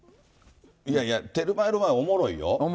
いやいや、テルマエ・ロマエ、おもろいよ。